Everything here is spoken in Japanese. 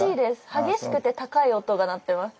激しくて高い音が鳴ってます。